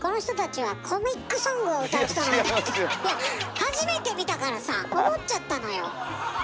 初めて見たからさ思っちゃったのよ。